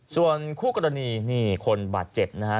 ส่วนคู่กรณีนี่คนบาดเจ็บนะฮะ